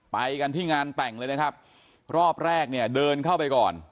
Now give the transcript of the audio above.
ไปกันที่งานแต่งเลยนะครับรอบแรกเนี่ยเดินเข้าไปก่อน